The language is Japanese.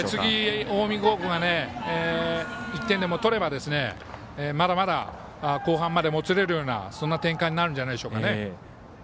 次、近江高校が１点でも取れば後半までもつれるようなそんな展開になるんじゃないでしょうかね。